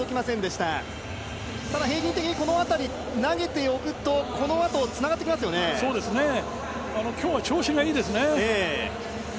ただ平均的にこのあたりは投げておくとこの後、繋がって今日は調子がいいですね。